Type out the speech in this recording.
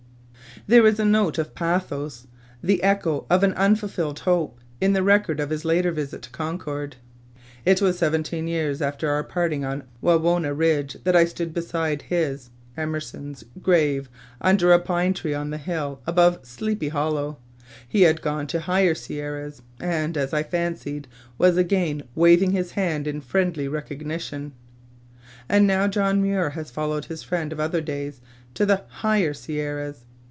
There is a note of pathos, the echo of an unfulfilled hope, in the record of his later visit to Concord. "It was seventeen years after our parting on Wawona ridge that I stood beside his [Emerson's] grave under a pine tree on the hill above Sleepy Hollow. He had gone to higher Sierras, and, as I fancied, was again waving his hand in friendly recognition." And now John Muir has followed his friend of other days to the "higher Sierras."